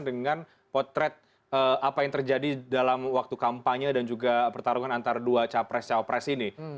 dengan potret apa yang terjadi dalam waktu kampanye dan juga pertarungan antara dua capres cawapres ini